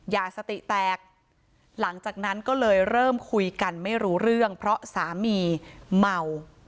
อย่าสติแตกหลังจากนั้นก็เลยเริ่มคุยกันไม่รู้เรื่องเพราะสามีเมา